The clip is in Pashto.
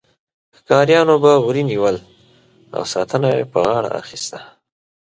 ښکاریانو به وري نیول او ساتنه یې په غاړه اخیسته.